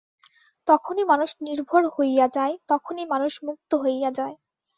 তখনই মানুষ নির্ভয় হইয়া যায়, তখনই মানুষ মুক্ত হইয়া যায়।